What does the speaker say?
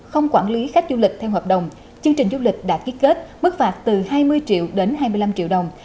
không quản lý khách du lịch theo hợp đồng chương trình du lịch đã ký kết mức phạt từ hai mươi triệu đến hai mươi năm triệu đồng